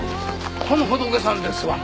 この仏さんですわ。